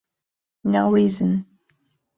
No reason.